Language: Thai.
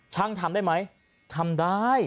ทำได้ไหมทำได้